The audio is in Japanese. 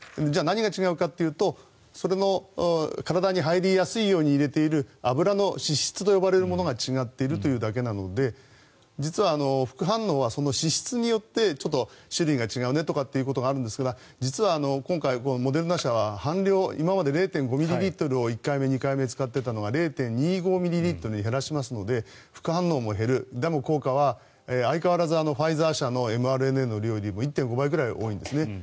じゃあ何が違うかというとそれの体に入りやすいように入れている脂の脂質と呼ばれるものが違っているというだけなので実は副反応はその脂質によってちょっと種類が違うねということがあるんですが実は今回モデルナ社は今まで０．５ミリリットルを１回目２回目使っていたのが０．２５ミリリットルに減らしますので副反応も減るでも、効果は相変わらずファイザーのｍＲＮＡの量よりも１．５倍ぐらい多いんですね。